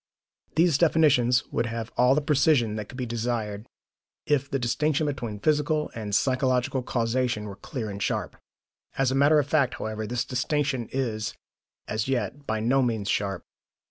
These definitions would have all the precision that could be desired if the distinction between physical and psychological causation were clear and sharp. As a matter of fact, however, this distinction is, as yet, by no means sharp.